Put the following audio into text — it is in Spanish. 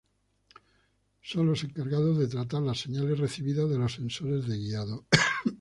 Son los encargados de tratar las señales recibidas de los sensores de guiado.